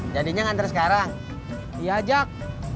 jadinya ngantre sekarang diajak